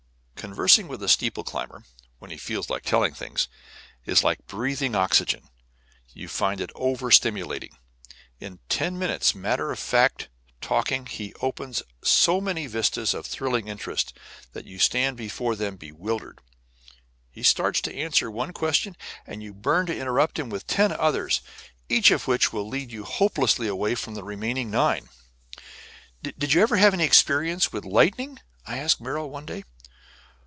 Conversing with a steeple climber (when he feels like telling things) is like breathing oxygen; you find it over stimulating. In ten minutes' matter of fact talking he opens so many vistas of thrilling interest that you stand before them bewildered. He starts to answer one question, and you burn to interrupt him with ten others, each of which will lead you hopelessly away from the remaining nine. "Did you ever have any experiences with lightning?" I asked Merrill, one day.